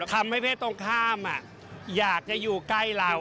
ทำให้เพศตรงข้ามอยากจะอยู่ใกล้เรา